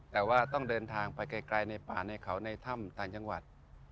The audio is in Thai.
แต่ว่าต้องเดินทางไปไกลในป่าในเขาในถ้ำต่างจังหวัด